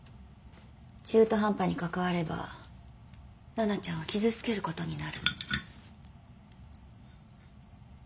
中途半端に関われば奈々ちゃんを傷つけることになる。